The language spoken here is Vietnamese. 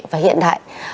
và hiện đại